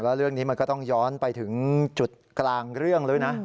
แล้วเรื่องนี้มันก็ต้องย้อนไปถึงจุดกลางเรื่องเลยนะ